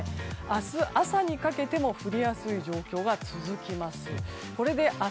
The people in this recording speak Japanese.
明日朝にかけても降りやすい状況が続きます。